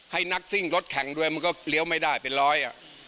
ให้นักซิ่งรถแข่งด้วยมันก็เลี้ยวไม่ได้เป็นร้อยอ่ะ